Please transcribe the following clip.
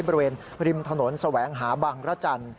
บริเวณริมถนนแสวงหาบางระจันทร์